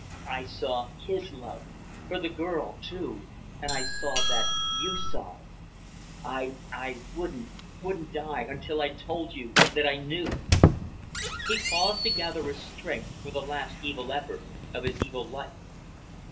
I saw his love for the girl too and I saw that you saw it. I I wouldn't wouldn't die until I'd told you that I knew." He paused to gather his strength for the last evil effort of his evil life.